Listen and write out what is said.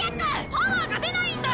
パワーが出ないんだ！